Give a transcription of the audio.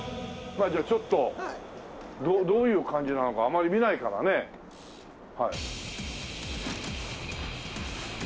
じゃあちょっとどういう感じなのかあまり見ないからねはい。